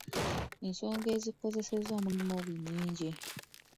Ensonga ezikozesa omulimu ogwo nnyingi.